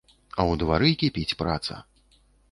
А ў двары кіпіць праца!